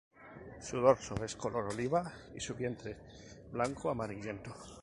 Su dorso es color oliva y su vientre blanco amarillento.